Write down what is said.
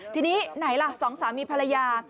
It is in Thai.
ทีนี้ไหนล่ะสองสามีภรรยา